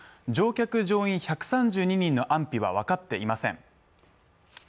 乗客・乗員１３２人の安否は分かっていません。